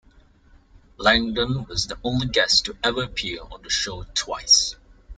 Langdon was the only guest to ever appear on the show twice.